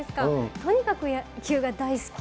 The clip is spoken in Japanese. とにかく野球が大好き。